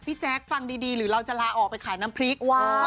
แจ๊คฟังดีหรือเราจะลาออกไปขายน้ำพริก